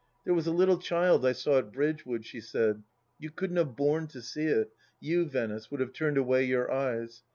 "There was a little child I saw at Bridgewood," she said. "You couldn't have borne to see it — you, Venice, would have turned away your eyes.